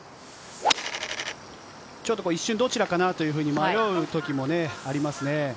ちょっと一瞬、どちらかなと迷うときもありますね。